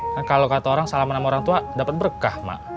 kan kalau kata orang salaman sama orang tua dapat berkah mak